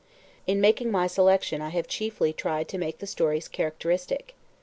In making my selection I have chiefly tried to make the stories characteristic.